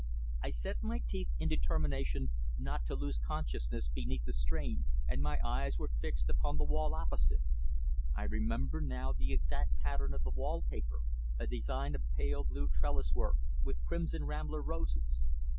I set my teeth in determination not to lose consciousness beneath the strain, and my eyes were fixed upon the wall opposite. I remember now the exact pattern of the wallpaper, a design of pale blue trellis work with crimson rambler roses.